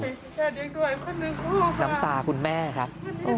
น้ำตาคุณแม่ครับ